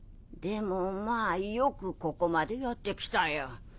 でもまぁよくここまでやって来たよ。